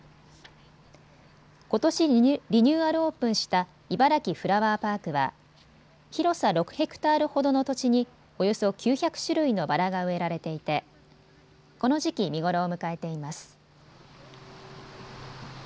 ことしリニューアルオープンしたいばらきフラワーパークは広さ６ｈａほどの土地におよそ９００種類のバラが植えられていてこの時期、見頃を迎えています。